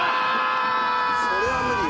それは無理よ。